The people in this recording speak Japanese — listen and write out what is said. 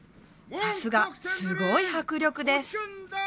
さすがすごい迫力です